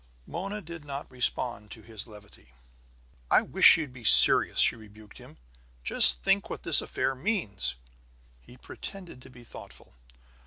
Mona did not respond to his levity. "I wish you'd be serious!" she rebuked him. "Just think what this affair means!" He pretended to be thoughtful.